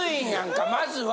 まずは。